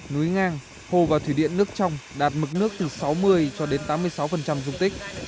núi ngang hồ và thủy điện nước trong đạt mức nước từ sáu mươi cho đến tám mươi sáu dung tích